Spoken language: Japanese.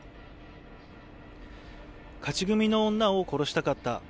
勝ち組の女を殺したかった。